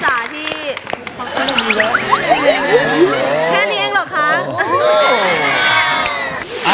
แค่นี้เองเหรอคะ